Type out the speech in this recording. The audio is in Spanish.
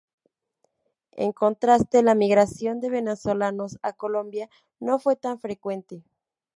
En contraste, la migración de venezolanos a Colombia no fue tan frecuente.